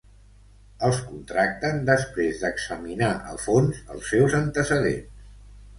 Els contracten després d'examinar a fons els seus antecedents.